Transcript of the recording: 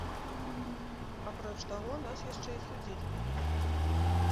Апроч таго нас яшчэ і судзіць будуць.